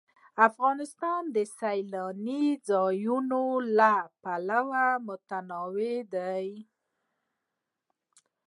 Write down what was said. افغانستان د سیلانی ځایونه له پلوه متنوع دی.